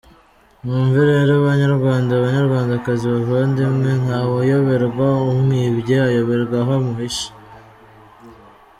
Mwumve rero banyarwanda banyarwandakazi, bavandimwe, “ntawuyoberwa umwibye, ayoberwa aho amuhishe”.